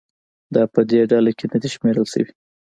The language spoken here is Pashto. دا په دې ډله کې نه دي شمېرل شوي